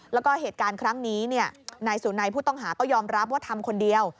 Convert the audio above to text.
แล้วก็เหตุการณ์ครั้งนี้นายสุนัยผู้ต้องหาก็ยอมรับว่าทำคนเดียว